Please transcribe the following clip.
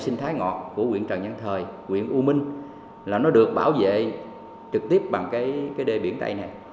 sinh thái ngọt của quyện trần nhân thời quyện u minh là nó được bảo vệ trực tiếp bằng cái đê biển tây này